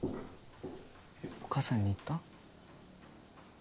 お母さんに言った？